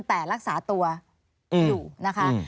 แต่รักษาตัวอยู่นะคะ